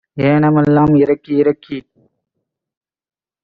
ஏன மெல்லாம் இறக்கி இறக்கிப்